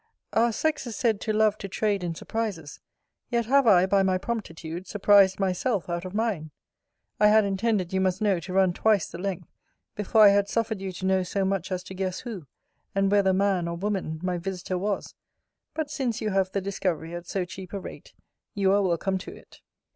Our sex is said to love to trade in surprises: yet have I, by my promptitude, surprised myself out of mine. I had intended, you must know, to run twice the length, before I had suffered you to know so much as to guess who, and whether man or woman, my visiter was: but since you have the discovery at so cheap a rate, you are welcome to it.